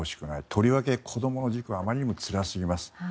とりわけ子供の事故があまりにもつらすぎます。